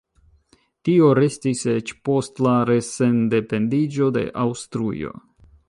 Tio restis eĉ post la re-sendependiĝo de Aŭstrujo.